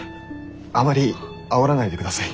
あまりあおらないでください。